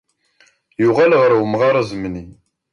Yuɣal ɣer umɣar azemni.